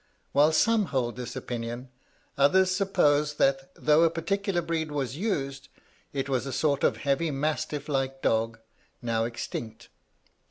While some hold this opinion, others suppose that though a particular breed was used, it was a sort of heavy mastiff like dog, now extinct.